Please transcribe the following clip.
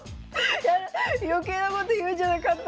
余計なこと言うんじゃなかった。